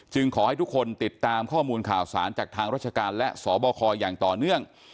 ขอให้ทุกคนติดตามข้อมูลข่าวสารจากทางราชการและสบคอย่างต่อเนื่อง